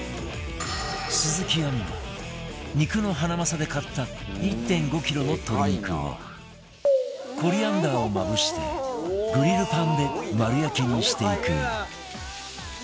鈴木亜美が肉のハナマサで買った １．５ キロの鶏肉をコリアンダーをまぶしてグリルパンで丸焼きにしていく